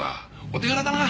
お手柄だな！